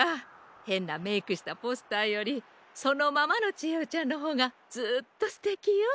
へんなメークしたポスターよりそのままのちえおちゃんのほうがずっとすてきよ。